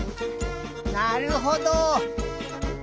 なるほど。